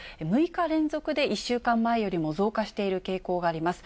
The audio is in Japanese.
６日連続で１週間前よりも増加している傾向があります。